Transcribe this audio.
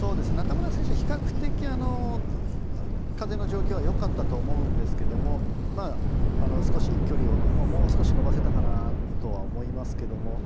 中村選手は比較的、風の状況はよかったと思うんですけど少し距離をもう少し伸ばせたかなとは思いますけども。